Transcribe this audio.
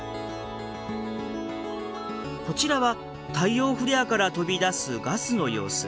こちらは太陽フレアから飛び出すガスの様子。